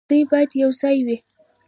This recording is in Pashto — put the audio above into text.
دوی باید یوځای وي.